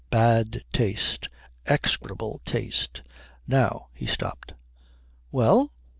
Bad taste. Execrable taste. Now " He stopped. "Well?"